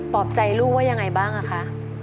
อบใจลูกว่ายังไงบ้างอะคะ